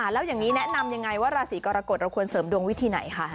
แล้วอย่างนี้แนะนำยังไงว่าราศีกรกฎเราควรเสริมดวงวิธีไหนคะ